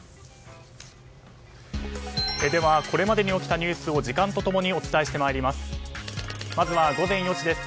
では、これまでに起きたニュースを時間とともにお伝えしてまいります。